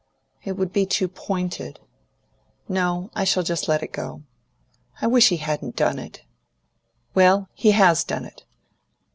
"It would be too pointed. No, I shall just let it go. I wish he hadn't done it." "Well, he has done it."